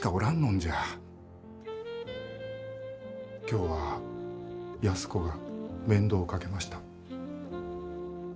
今日は安子が面倒をかけました。